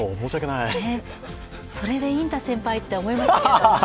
それでいいんだ、先輩って思いました。